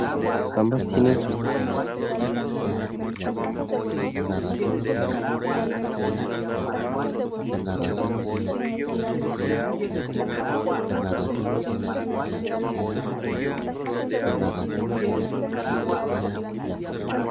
Todo el código que se vaya generando estará disponible en GitHub.